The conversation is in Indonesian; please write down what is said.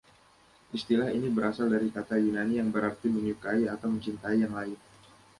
Istilah ini berasal dari kata Yunani yang berarti "menyukai atau mencintai yang lain".